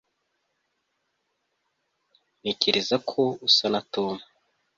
ntekereza ko usa na tom